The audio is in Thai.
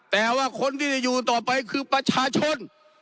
แต่ว่าคนที่จะอยู่ต่อไปคือประชาชน